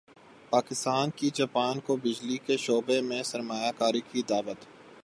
پاکستان کی جاپان کو بجلی کے شعبے میں سرمایہ کاری کی دعوت